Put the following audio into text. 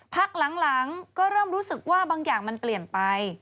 พักหลังก็เริ่มรู้สึกว่าบางอย่างมันเปลี่ยนไป